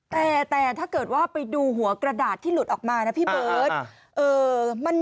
แต่ถ้าเกิดว่าไปดูหัวกระดาษที่หลุดออกมานะพี่เบิร์ต